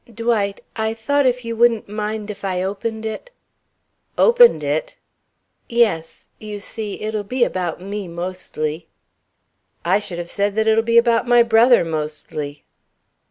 "Dwight I thought if you wouldn't mind if I opened it " "Opened it?" "Yes. You see, it'll be about me mostly " "I should have said that it'll be about my brother mostly."